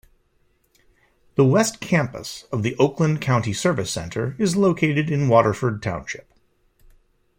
The West Campus of the Oakland County Service Center is located in Waterford Township.